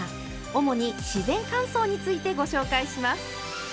主に自然乾燥についてご紹介します！